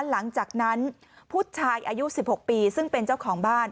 หลังจากนั้นผู้ชายอายุ๑๖ปีซึ่งเป็นเจ้าของบ้าน